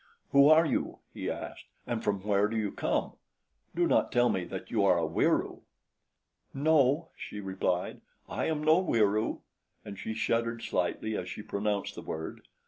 "Who are you," he asked, "and from where do you come? Do not tell me that you are a Wieroo." "No," she replied, "I am no Wieroo." And she shuddered slightly as she pronounced the word.